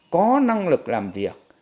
có năng lực làm việc